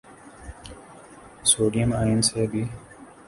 sodium ion سے ب